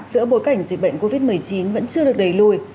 giữa bối cảnh dịch bệnh covid một mươi chín vẫn chưa được đẩy lùi